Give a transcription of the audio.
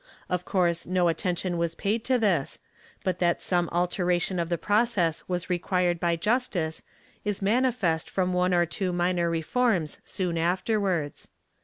* Of course no attention was paid to this, but that some alteration of the process was required by justice is manifest from one or two minor reforms soon afterwards.